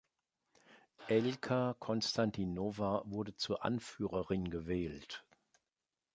Elka Konstantinova wurde zur Anführerin gewählt.